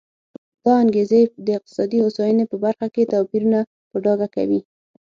دا انګېزې د اقتصادي هوساینې په برخه کې توپیرونه په ډاګه کوي.